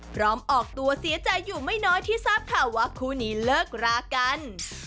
ออกตัวเสียใจอยู่ไม่น้อยที่ทราบข่าวว่าคู่นี้เลิกรากัน